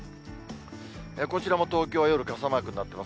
こちらも東京、夜、傘マークになってます。